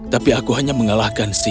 tapi aku hanya mengalahkan si